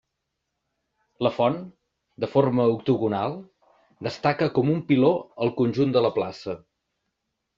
La font, de forma octogonal, destaca com un piló al conjunt de la Plaça.